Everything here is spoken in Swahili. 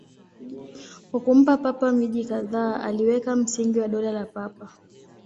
Kwa kumpa Papa miji kadhaa, aliweka msingi wa Dola la Papa.